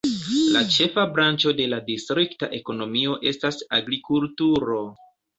La ĉefa branĉo de la distrikta ekonomio estas agrikulturo.